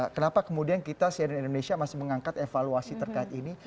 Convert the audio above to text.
kenapa kemudian kita cnn indonesia masih mengangkat evaluasi terkait ini